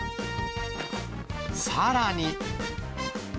さらに。